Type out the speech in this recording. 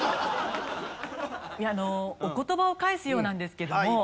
お言葉を返すようなんですけども。